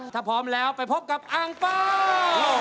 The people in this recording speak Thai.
ถ้าพร้อมแล้วไปพบกับอ้างเป้า